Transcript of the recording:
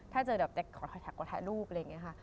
ถ้าเจอแบบขอถ่ายรูปอะไรอย่างนี้ค่ะ